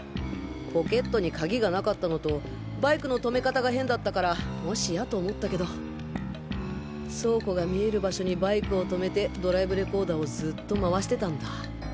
ポケットに鍵がなかったのとバイクのとめかたが変だったからもしやと思ったけど倉庫が見える場所にバイクをとめてドライブレコーダーをずっと回してたんだ。